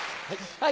はい！